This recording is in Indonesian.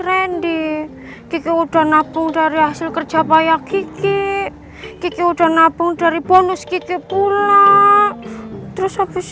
rendy giga udah nabung dari hasil kerja payah gigi gigi udah nabung dari bonus gigi pula terus